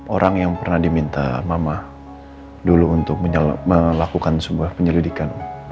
orang yang pernah diminta mama dulu untuk melakukan sebuah penyelidikan